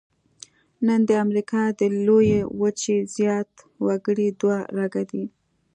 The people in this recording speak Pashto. نن د امریکا د لویې وچې زیات وګړي دوه رګه دي.